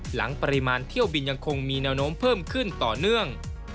หลังปริมาณเที่ยวบินยังคงมีแนวโน้มเพิ่มขึ้นต่อเนื่อง